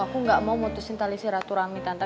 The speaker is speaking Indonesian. aku gak mau mutusin tali siraturami tante